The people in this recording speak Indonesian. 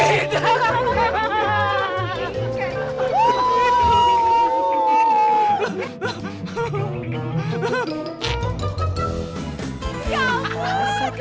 ini bukan caranya buat anak gue betul